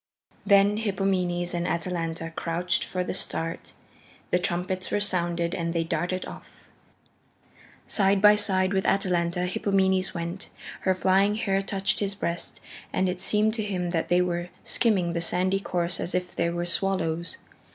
Then Hippomenes and Atalanta crouched for the start. The trumpets were sounded and they darted off. Side by side with Atalanta, Hippomenes went. Her flying hair touched his breast, and it seemed to him that they were skimming the sandy course as if they were swallows.